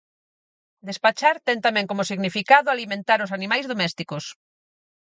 Despachar ten tamén como significado alimentar os animais domésticos.